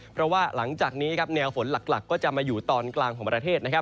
เพราะว่าหลังจากนี้ครับแนวฝนหลักก็จะมาอยู่ตอนกลางของประเทศนะครับ